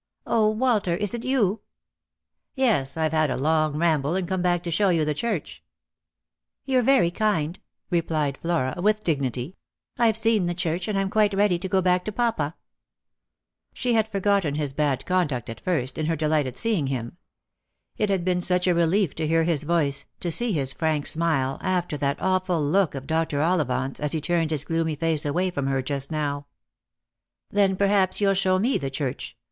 " 0, Walter, is it you ?"" Yes ; I've had a long ramble, and come back to show you the church." " You're very kind," replied Flora with dignity; "I've seen the church, and I'm quite ready to go back to papa." She had forgotten his bad conduct at first, in her delight at seeing him. It had been such a relief to hear his voice, to see his frank smile, after that awful look of Dr. Ollivant's as he turned his gloomy face away from her just now " Then perhaps you'll show me the church.